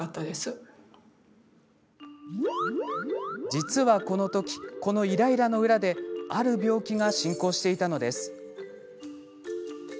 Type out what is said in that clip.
実は、この時このイライラの裏である病気が進行していたのです。